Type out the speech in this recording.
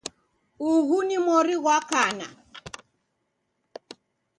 Ughu ni mori ghwa kana